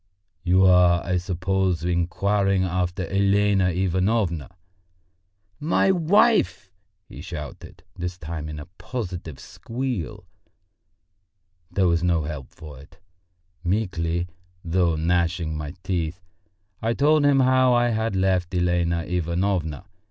"You are, I suppose, inquiring after Elena Ivanovna?" "My wife?" he shouted, this time in a positive squeal. There was no help for it! Meekly, though gnashing my teeth, I told him how I had left Elena Ivanovna.